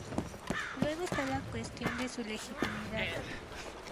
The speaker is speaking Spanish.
Luego está la cuestión de su legitimidad.